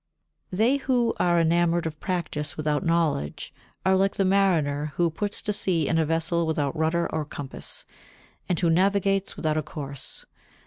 54. They who are enamoured of practice without knowledge are like the mariner who puts to sea in a vessel without rudder or compass, and who navigates without a course.